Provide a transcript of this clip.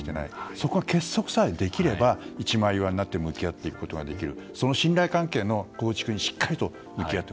そこで結束さえできれば一枚岩になって向き合っていくことができる。